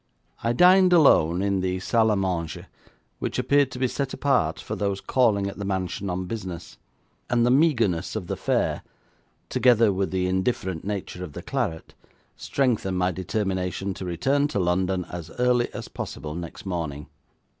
I dined alone in the salle à manger, which appeared to be set apart for those calling at the mansion on business, and the meagreness of the fare, together with the indifferent nature of the claret, strengthened my determination to return to London as early as possible next morning.